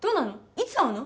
いつ会うの？